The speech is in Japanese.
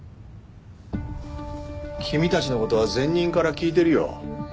君たちの事は前任から聞いてるよ。